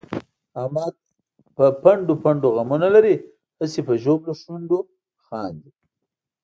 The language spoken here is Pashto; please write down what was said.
احمد په پنډو پنډو غمونه لري، هسې په ژبلو شونډو خاندي.